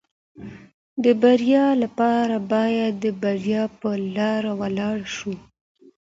د بریا لپاره باید د بریا په لاره ولاړ شو.